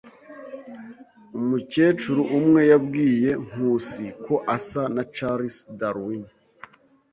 Umukecuru umwe yabwiye Nkusi ko asa na Charles Darwin.